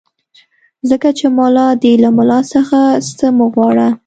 ځکه چې ملا دی له ملا څخه څه مه غواړه.